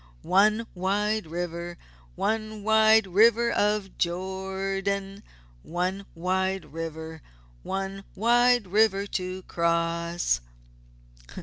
One wide river! One wide river of Jordan! One wide river! One wide river to cross!"